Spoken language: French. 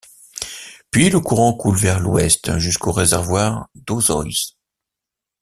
Puis le courant coule vers l’Ouest jusqu’au réservoir Dozois.